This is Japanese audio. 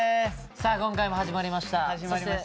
さあ今回も始まりました。